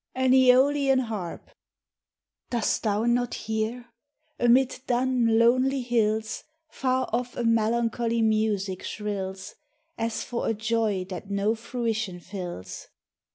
AN iEOLIAN HARP. DOST thou not hear ? Amid dun, lonely hills Far off a melancholy music shrills, As for a joy that no fruition fills.